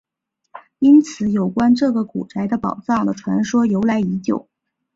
因此有关这个古宅有宝藏的传说由来已久。